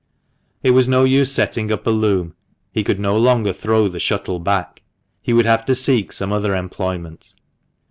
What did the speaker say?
It was no use setting up a loom ; he could no longer throw the shuttle back. He would have to seek some other employment.